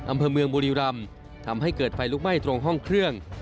อำเภอเมืองบุรีรำทำให้เกิดไฟลุกไหม้ตรงห้องเครื่อง